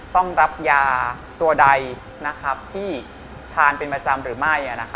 ต้องรับยามันทีทานมันเป็นประจำหรือไม่